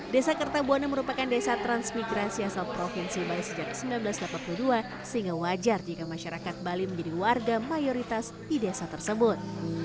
desa kertabuana merupakan desa transmigrasi asal provinsi bali sejak seribu sembilan ratus delapan puluh dua sehingga wajar jika masyarakat bali menjadi warga mayoritas di desa tersebut